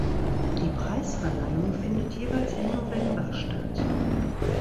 Die Preisverleihung findet jeweils im November statt.